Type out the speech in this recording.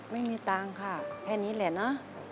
ไม่มีตังค์ค่ะแค่นี้แหละเนอะ